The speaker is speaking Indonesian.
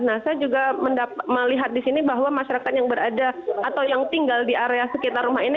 nah saya juga melihat di sini bahwa masyarakat yang berada atau yang tinggal di area sekitar rumah ini